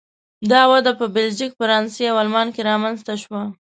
دا وده په بلژیک، فرانسې او آلمان کې رامنځته شوه.